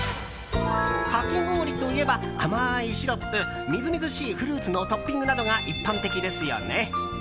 かき氷といえば、甘いシロップみずみずしいフルーツのトッピングなどが一般的ですよね。